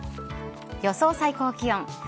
予想最高気温。